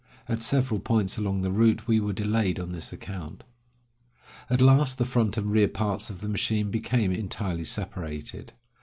At several points along the route we were delayed on this account. At last the front and rear parts of the machine became entirely separated.